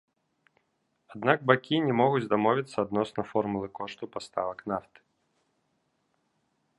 Аднак бакі не могуць дамовіцца адносна формулы кошту паставак нафты.